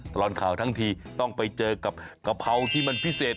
ตลอดข่าวทั้งทีต้องไปเจอกับกะเพราที่มันพิเศษ